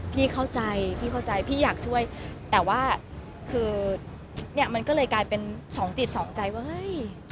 พี่เข้าใจพี่เข้าใจพี่อยากช่วยแต่ว่าคือเนี่ยมันก็เลยกลายเป็นสองจิตสองใจว่าเฮ้ย